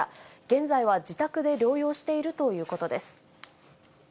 現在は自宅で療養しているということです。